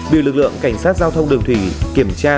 bị lực lượng cảnh sát giao thông đường thủy kiểm tra